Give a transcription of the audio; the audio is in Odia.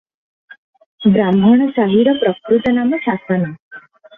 ବ୍ରାହ୍ମଣସାହିର ପ୍ରକୃତ ନାମ ଶାସନ ।